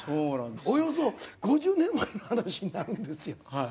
およそ５０年前の話になるんですよ。